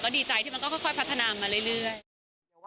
ดีใจที่มันก็ค่อยพัฒนามาเรื่อย